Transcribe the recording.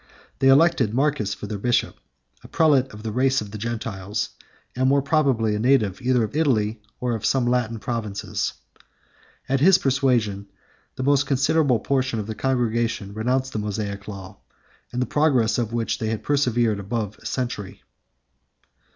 They elected Marcus for their bishop, a prelate of the race of the Gentiles, and most probably a native either of Italy or of some of the Latin provinces. At his persuasion, the most considerable part of the congregation renounced the Mosaic law, in the practice of which they had persevered above a century.